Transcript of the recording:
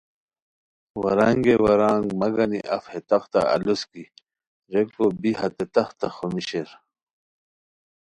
ورانگیئے ورانگ مہ گانی اف ہے تختہ الوس کی ریکو بی ہتے تختہ خومیشیر